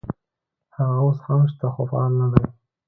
هغه اوس هم شته خو فعال نه دي.